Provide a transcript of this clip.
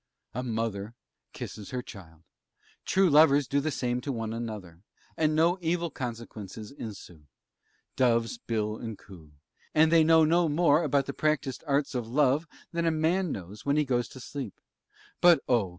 A mother kisses her child; true lovers do the same to one another, and no evil consequences ensue; doves bill and coo, and they know no more about the practised arts of love than a man knows when he goes to sleep; but, oh!